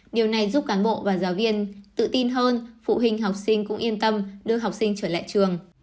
điều này giúp cán bộ và giáo viên tự tin hơn phụ huynh học sinh cũng yên tâm đưa học sinh trở lại trường